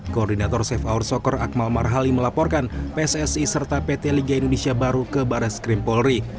koordinator safe hour soccer akmal marhali melaporkan pssi serta pt liga indonesia baru ke baris krim polri